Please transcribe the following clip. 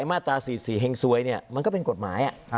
มาตราสีบสีแห่งซวยมันก็เป็นกฎหมาย